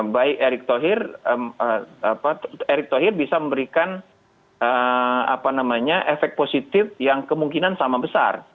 baik erick thohir bisa memberikan efek positif yang kemungkinan sama besar